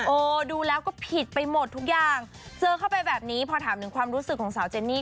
โอ้ดูแล้วก็ผิดไปหมดทุกอย่างเจอเข้าไปแบบนี้พอถามถึงความรู้สึกของสาวเจนนี่